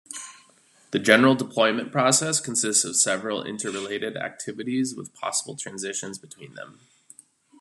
The general deployment process consists of several interrelated activities with possible transitions between them.